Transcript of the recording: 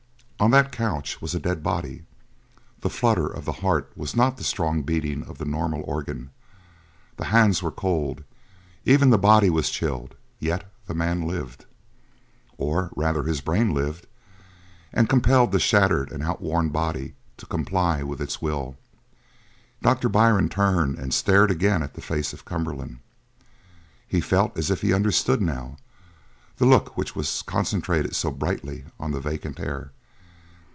On that couch was a dead body. The flutter of that heart was not the strong beating of the normal organ; the hands were cold; even the body was chilled; yet the man lived. Or, rather, his brain lived, and compelled the shattered and outworn body to comply with its will. Doctor Byrne turned and stared again at the face of Cumberland. He felt as if he understood, now, the look which was concentrated so brightly on the vacant air.